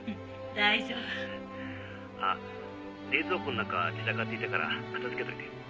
☎あっ冷蔵庫の中散らかっていたから片付けといて